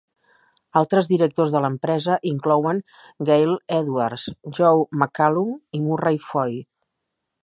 Altres directors de l'empresa inclouen Gale Edwards, Joe McCallum i Murray Foy.